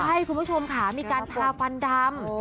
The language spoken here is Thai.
ใช่คุณผู้ชมค่ะมีการทาฟันดำ